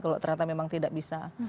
kalau ternyata memang tidak bisa